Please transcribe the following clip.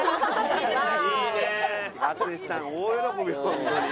淳さん大喜びホントに。